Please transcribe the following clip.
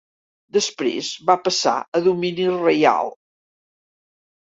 Després va passar a domini reial.